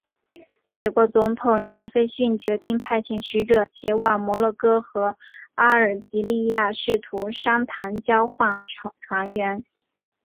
美国总统杰斐逊决定派遣使者前往摩洛哥和阿尔及利亚试图商谈交换船员。